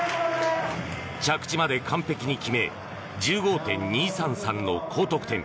着地まで完璧に決め１５．２３３の高得点。